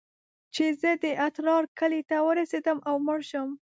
چې زه د اترار کلي ته ورسېدم او مړ سوم.